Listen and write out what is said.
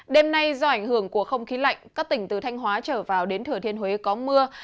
đêm nay do ảnh hưởng của không khí lạnh các tỉnh từ thanh hóa trở vào đến thừa thiên huế có mưa